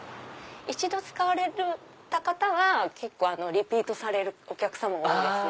一度使われた方はリピートされるお客様が多いです。